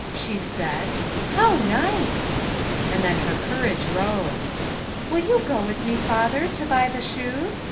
" she said, " how nice." And then her courage rose. " Will you go with me, father, to buy the shoes